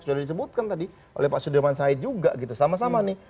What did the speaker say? sudah disebutkan tadi oleh pak sudirman said juga gitu sama sama nih